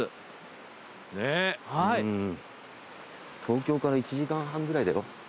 東京から１時間半ぐらいだよ。